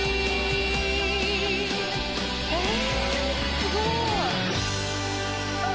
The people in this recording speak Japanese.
すごーい。